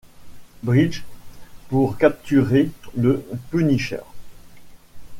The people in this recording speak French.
Bridge pour capturer le Punisher.